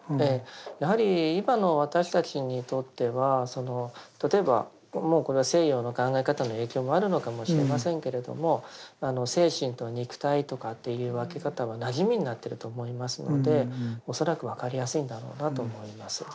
やはり今の私たちにとっては例えばもうこれは西洋の考え方の影響もあるのかもしれませんけれども精神と肉体とかっていう分け方はなじみになってると思いますので恐らく分かりやすいんだろうなと思います。